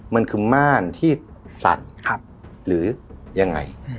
มันคือม่านที่สั่นหรือยังไง